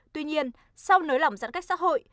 tuy nhiên sau nới lỏng giãn cách xã hội